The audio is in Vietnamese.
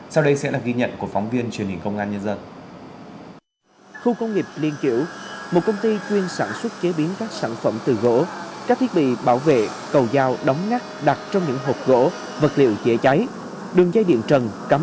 sau đây sẽ là ghi nhận của phóng viên truyền hình công an nhân dân